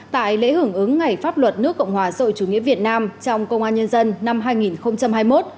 tại lễ hưởng ứng ngày pháp luật nước cộng hòa rồi chủ nghĩa việt nam trong công an nhân dân năm hai nghìn hai mươi một